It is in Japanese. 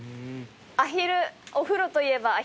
アヒルお風呂といえばアヒル。